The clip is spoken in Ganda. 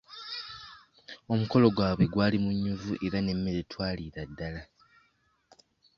Omukolo gwabwe gwali munyuvu nnyo era n'emmere twaliira ddala.